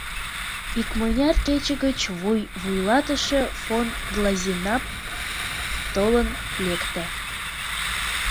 Икмыняр кече гыч вуй-вуйлатыше фон Глазенапп толын лекте.